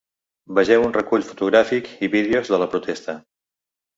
Vegeu un recull fotogràfic i vídeos de la protesta.